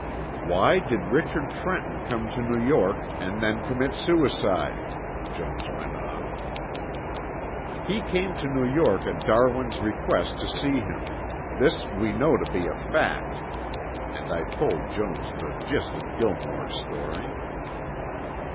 "Why did Richard Trenton come to New York and then commit suicide?" Jones went on. "He came to New York at Darwin's request to see him. This we know to be a fact," and I told Jones the gist of Gilmore's story.